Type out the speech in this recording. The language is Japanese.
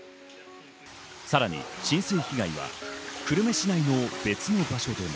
さらに浸水被害は久留米市内の別の場所でも。